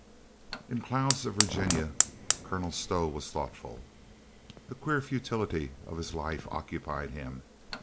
In clouds of Virginia, Colonel Stow was thought ful. The queer futility of his life occupied him.